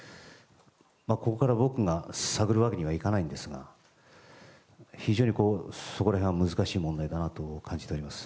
ここから僕が探るわけにはいかないんですが非常にそれは難しい問題かなと感じております。